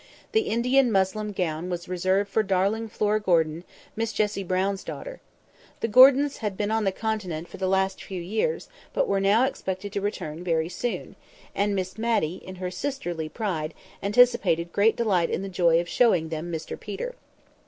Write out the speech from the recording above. The Indian muslin gown was reserved for darling Flora Gordon (Miss Jessie Brown's daughter). The Gordons had been on the Continent for the last few years, but were now expected to return very soon; and Miss Matty, in her sisterly pride, anticipated great delight in the joy of showing them Mr Peter.